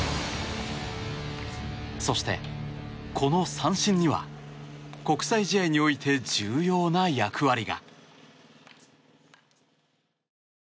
そして、この三振には国際試合において重要な役割が。